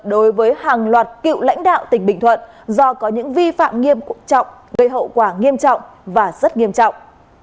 đối với hàng loạt cựu lãnh đạo tỉnh bình thuận do có những vi phạm nghiêm trọng gây hậu quả nghiêm trọng và rất nghiêm trọng